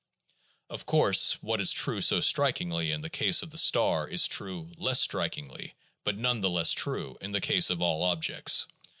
Of course, what is true so strikingly in the case of a star is true less strikingly, but none the less true, in the case of all objects.